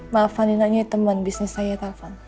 maaf pak nino ini teman bisnis saya telfon